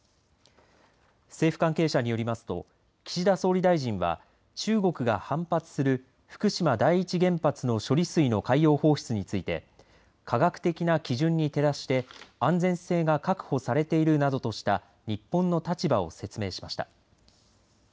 政府関係者によりますと岸田総理大臣は、中国が反発する福島第一原発の処理水の海洋放出について科学的な基準に照らして安全性が確保されているなどとした日本の立場を説明しました。